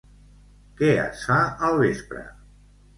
Què es fa al vespre?